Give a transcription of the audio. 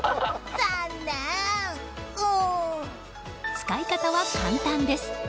使い方は簡単です。